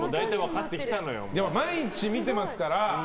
毎日見てますから。